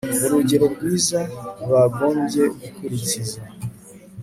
urugero rwiza bagombye gukurikiza